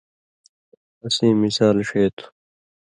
اسیں مِثال ݜے تھُو۔